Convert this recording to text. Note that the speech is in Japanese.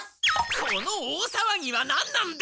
この大さわぎはなんなんだ！